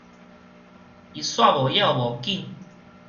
伊煞無要無緊